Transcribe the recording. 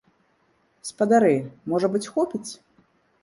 Спадары, можа быць, хопіць?